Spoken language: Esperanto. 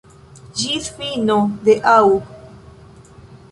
Ĝis fino de aŭg.